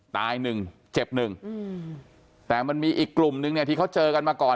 ตายหนึ่งเจ็บหนึ่งอืมแต่มันมีอีกกลุ่มนึงเนี่ยที่เขาเจอกันมาก่อน